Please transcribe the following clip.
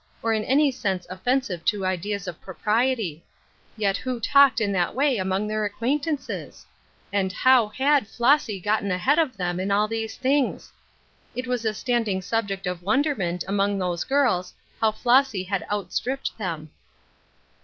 or in any sense offensive to ideas of propiiety. Yet who talked in that way among tlieir accjiaint ances? And ho to had Flossy gotten ahewl of Side Issues, 87 them in all these things? It was a standing subject of wonderment among those girls how Flossj had outstripped them.